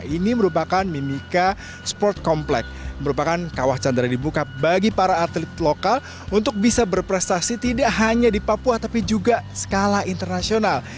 ini merupakan mimika sport complex merupakan kawah candara dibuka bagi para atlet lokal untuk bisa berprestasi tidak hanya di papua tapi juga skala internasional